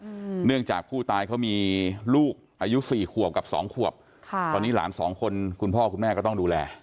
อืมเนื่องจากผู้ตายเขามีลูกอายุสี่ขวบกับสองขวบค่ะตอนนี้หลานสองคนคุณพ่อคุณแม่ก็ต้องดูแล